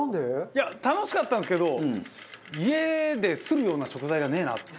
いや楽しかったんですけど家でするような食材がねえなって。